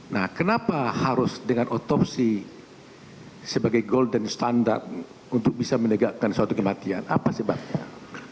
nah kenapa harus dengan otopsi sebagai golden standard untuk bisa menegakkan suatu kematian apa sebabnya